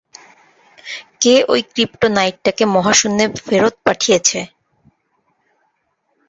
কে ওই ক্রিপ্টোনাইটটাকে মহাশূন্যে ফেরত পাঠিয়েছে?